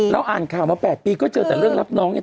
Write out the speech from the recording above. อ่านข่าวมา๘ปีก็เจอแต่เรื่องรับน้องเนี่ย